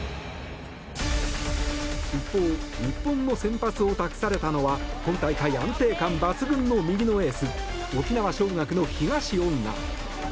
一方、日本の先発を託されたのは今大会、安定感抜群の右のエース沖縄尚学の東恩納。